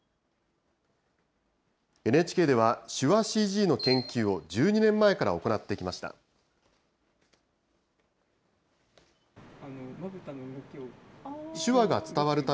ＮＨＫでは、手話ＣＧの研究を１２年前から行ってきました。